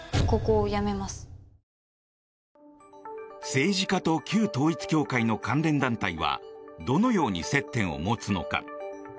政治家と旧統一教会の関連団体はどのように接点を持つのか。